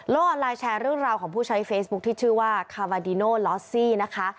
ออนไลน์แชร์เรื่องราวของผู้ใช้เฟซบุ๊คที่ชื่อว่าคาบาดิโนลอสซี่นะคะ